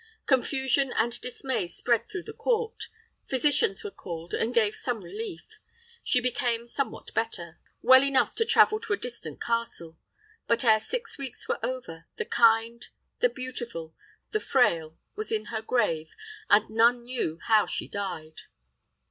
Confusion and dismay spread through the court. Physicians were called, and gave some relief. She became somewhat better well enough to travel to a distant castle; but, ere six weeks were over, the kind, the beautiful, the frail was in her grave, and none knew how she died.